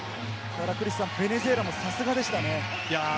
ベネズエラもさすがでしたね。